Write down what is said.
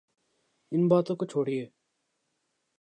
ان باتوں کو چھوڑئیے۔